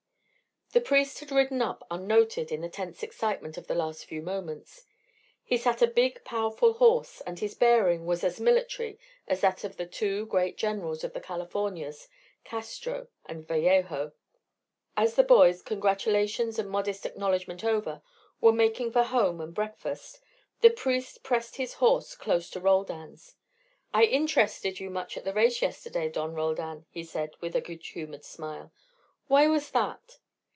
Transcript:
The priest had ridden up unnoted in the tense excitement of the last few moments. He sat a big powerful horse, and his bearing was as military as that of the two great generals of the Californias, Castro and Vallejo. As the boys, congratulations and modest acknowledgement over, were making for home and breakfast, the priest pressed his horse close to Roldan's. "I interested you much at the race yesterday, Don Roldan," he said, with a good humoured smile. "Why was that?"